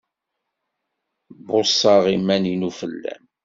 Bbuṣaɣ iman-inu fell-am.